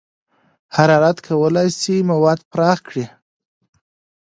حرارت کولی شي مواد پراخ کړي.